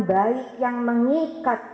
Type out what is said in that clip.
baik yang mengikat